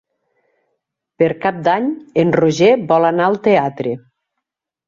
Per Cap d'Any en Roger vol anar al teatre.